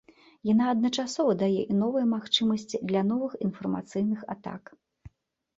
Яна адначасова дае і новыя магчымасці для новых інфармацыйных атак.